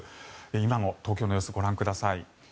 今の東京の様子ご覧ください。